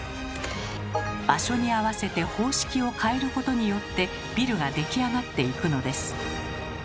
場所に合わせて方式を変えることによってビルが出来上がっていくのです。